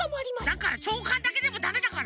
だからちょうかんだけでもダメだから！